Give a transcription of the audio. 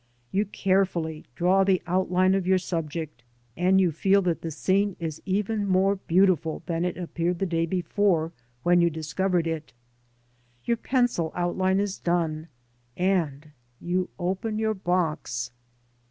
You carefully draw the outline of your subject, and you feel that the scene is even more beautiful than it appeared the day before when you discovered it. Your pencil outline is done, and you open your box.